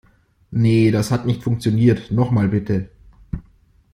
Nee, das hat nicht funktioniert. Nochmal bitte.